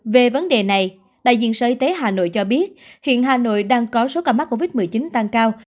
về vấn đề này đại diện sở y tế hà nội cho biết hiện hà nội đang có số ca mắc covid một mươi chín tăng cao